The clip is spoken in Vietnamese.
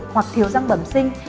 hoặc thiếu răng bẩm sinh